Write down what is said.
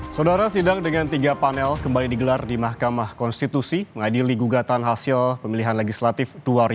saudara sidang dengan tiga panel kembali digelar di mahkamah konstitusi mengadili gugatan hasil pemilihan legislatif dua ribu sembilan belas